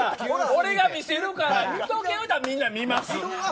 俺が見せるから見とけ言うたらみんな見ます。